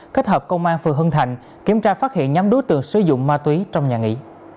kết hợp công an phường hưng thạnh kiểm tra phát hiện nhóm đối tượng sử dụng ma túy trong nhà nghỉ